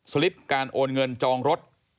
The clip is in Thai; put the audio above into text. ลิปการโอนเงินจองรถ